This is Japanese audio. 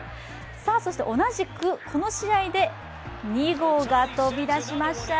そして同じくこの試合で２号が飛び出しました。